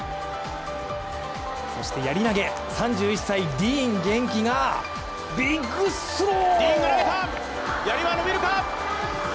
そしてやり投げ、３１歳・ディーン元気がビッグスロー。